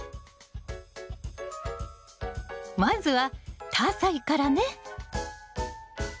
まずはタアサイからね。